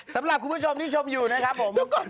สำหรับคุณผู้ชมที่ชมอยู่นะครับผม